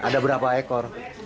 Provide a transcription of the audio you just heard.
ada berapa ekor